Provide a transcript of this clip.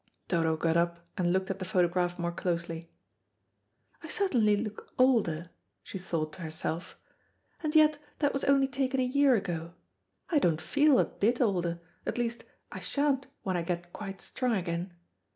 Dodo got up and looked at the photograph more closely. "I certainly look older," she thought to herself, "and yet that was only taken a year ago. I don't feel a bit older, at least I sha'n't when I get quite strong again.